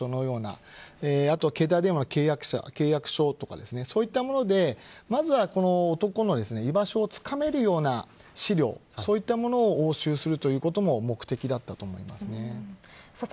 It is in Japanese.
今の居場所が分かる場所のようなあとは携帯電話の契約書とかそういったものでまずは男の居場所をつかめるような資料そういったものを押収するということも目的だったと思います。